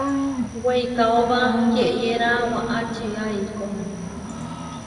Weikaóba yeʼyéra waʼá čía eikó.